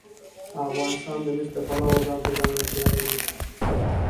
افغانستان د مس د پلوه ځانته ځانګړتیا لري.